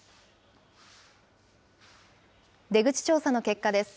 出口調査の結果です。